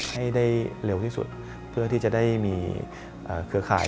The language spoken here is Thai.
ให้ได้เร็วที่สุดเพื่อที่จะได้มีเครือข่าย